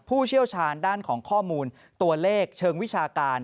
ผู้เชี่ยวชาญด้านของข้อมูลตัวเลขเชิงวิชาการ